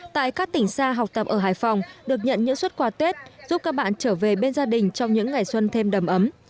tại các tỉnh xa học tập ở hải phòng được nhận những xuất quà tết giúp các bạn trở về bên gia đình trong những ngày xuân thêm đầm ấm